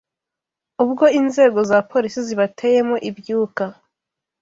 ubwo inzego za Polisi zibateyemo ibyuka